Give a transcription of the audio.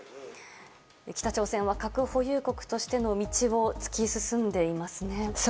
北朝鮮は核保有国としての道を突き進んでいますね。